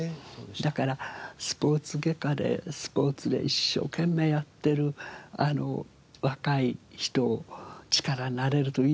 だからスポーツ外科でスポーツで一生懸命やってる若い人力になれるといいなと思って。